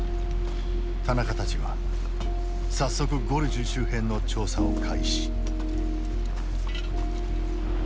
田中たちは早速ゴルジュ周辺の調査を開始。